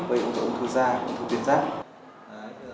với ứng thư da ứng thư biến giác